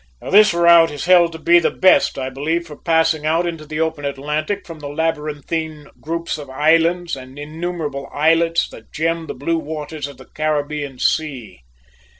This route is held to be the best, I believe, for passing out into the open Atlantic from the labyrinthine groups of islands and innumerable islets that gem the blue waters of the Caribbean Sea.